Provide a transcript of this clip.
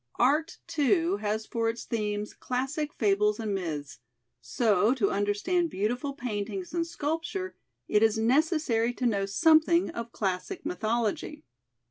Art, too, has for its themes, classic fables and myths; so to understand beautiful paintings and sculpture, it is necessary to know something of classic mythology.